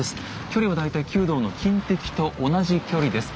距離は大体弓道の近的と同じ距離です。